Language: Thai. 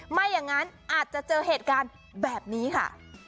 ไม่อย่างนั้นอาจจะเจอเหตุการณ์แบบนี้ค่ะ